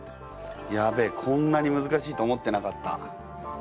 やべえこんなにむずかしいと思ってなかった。